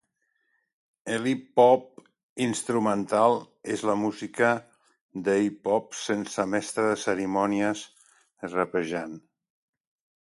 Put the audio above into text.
El hip hop instrumental és la música de hip hop sense mestre de cerimònies rapejant.